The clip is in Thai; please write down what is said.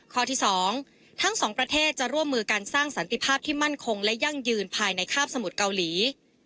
ข้อที่๒ทั้งสองประเทศจะร่วมมือการสร้างสันติภาพที่มั่นคงและยั่งยืนภายในคาบสมุทรเกาหลี